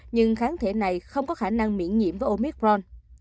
nhưng kháng thể này không có khả năng miễn nhiễm với omicron